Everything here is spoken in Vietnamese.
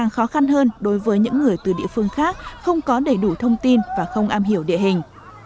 khó khăn hơn đối với những người từ địa phương khác không có đầy đủ thông tin và không am hiểu địa hình